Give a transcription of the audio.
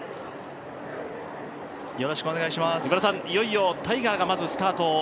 いよいよタイガーがスタート